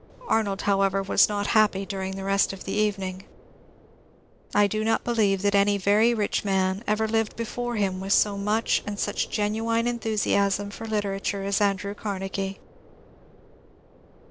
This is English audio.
Arnold, however, was not happy during the rest of the evening I do not believe that any very rich man ever lived before him with so much and such genuine enthusiasm for literature as Andrew Carnegie.